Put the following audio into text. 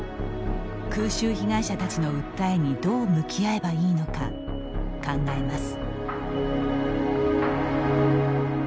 空襲被害者たちの訴えにどう向き合えばいいのか考えます。